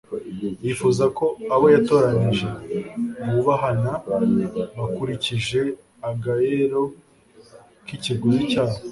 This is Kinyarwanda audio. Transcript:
Yifuza ko abo yatoranije bubahana bakurikije agaeiro k'ikiguzi cyabo.